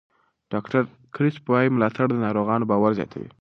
ډاکټر کریسپ وایي ملاتړ د ناروغانو باور زیاتوي.